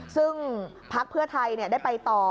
ซึ่งพลักษณ์เพื่อไทยเนี่ยได้ไปต่อ